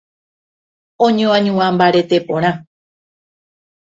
oñoañuã mbarete porã